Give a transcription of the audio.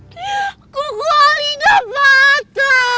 kukuh hari dapat